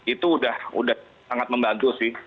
itu udah sangat membagu sih